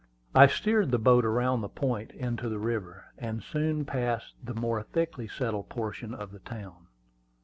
I steered the boat around the point into the river, and soon passed the more thickly settled portion of the town.